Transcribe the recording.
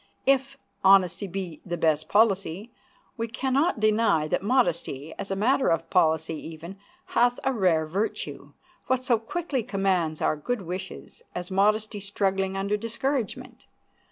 If "honesty be the best policy," we can not deny that modesty, as a matter of policy even, hath a rare virtue. What so quickly commands our good wishes as modesty struggling under discouragement?